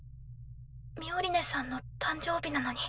ミオリネさんの誕生日なのに。